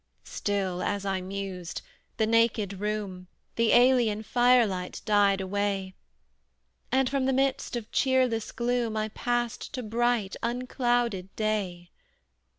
Still, as I mused, the naked room, The alien firelight died away; And from the midst of cheerless gloom, I passed to bright, unclouded day.